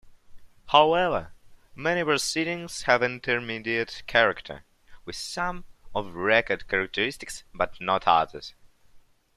However, many proceedings have intermediate character, with some "of record" characteristics but not others.